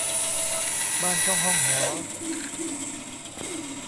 บ้านช่องห้องหอ